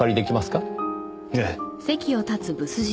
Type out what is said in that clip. ええ。